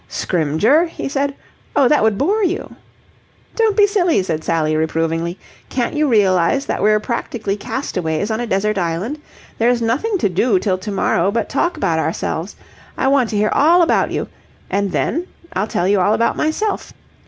"Scrymgeour?" he said. "Oh, that would bore you." "Don't be silly," said Sally reprovingly. "Can't you realize that we're practically castaways on a desert island? There's nothing to do till to morrow but talk about ourselves. I want to hear all about you, and then I'll tell you all about myself.